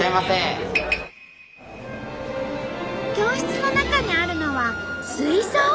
教室の中にあるのは水槽。